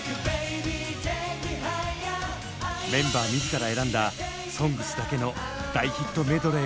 メンバー自ら選んだ「ＳＯＮＧＳ」だけの大ヒットメドレーを披露！